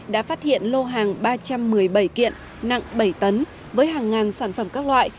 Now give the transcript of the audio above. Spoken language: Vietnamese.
đã phát hiện lô hàng ba trăm một mươi bảy kiện nặng bảy tấn với hàng ngàn sản phẩm các loại